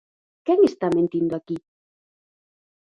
¿Quen está mentindo aquí?